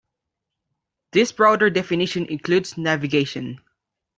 This broader definition includes navigation.